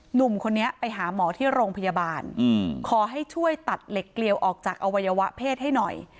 หนุ่มคนนี้ไปหาหมอที่โรงพยาบาลขอให้ช่วยตัดเหล็กเกลียวออกจากอวัยวะเพศให้หน่อย